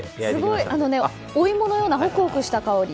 すごい！お芋のようなホクホクした香り。